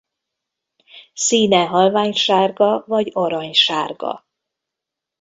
Színe halványsárga vagy aranysárga.